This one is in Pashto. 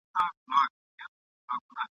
چي د هر شعر په لیکلو به یې ډېر زیات وخت !.